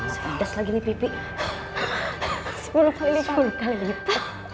sepedes lagi nih pipi sepuluh kali lipat